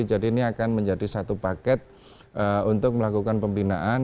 jadi ini akan menjadi satu paket untuk melakukan pembinaan